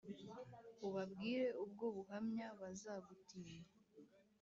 Ubabwire ubwo buhamya bazagutinya